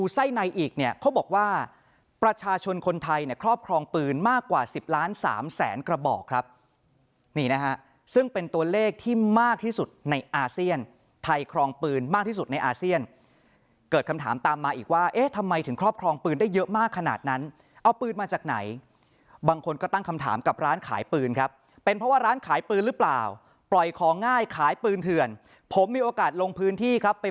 ใส่ในอีกเนี่ยเขาบอกว่าประชาชนคนไทยเนี่ยครอบครองปืนมากกว่าสิบล้านสามแสนกระบอกครับนี่นะฮะซึ่งเป็นตัวเลขที่มากที่สุดในอาเซียนไทยครองปืนมากที่สุดในอาเซียนเกิดคำถามตามมาอีกว่าเอ๊ะทำไมถึงครอบครองปืนได้เยอะมากขนาดนั้นเอาปืนมาจากไหนบางคนก็ตั้งคำถามกับร้านขายปืนครับเป็นเพรา